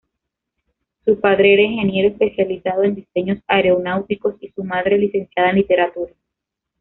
Su padre era ingeniero especializado en diseños aeronáuticos y su madre, licenciada en literatura.